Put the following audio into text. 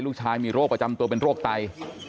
ลูกชายมีโรคประจำตัวเป็นโรคไต